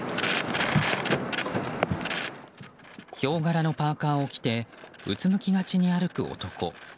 ヒョウ柄のパーカを着てうつむきがちに歩く男。